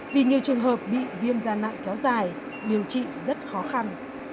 vì nhiều trường hợp bị viêm gian nặng kéo dài điều trị rất khó khăn